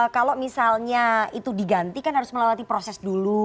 kalau misalnya itu diganti kan harus melewati proses dulu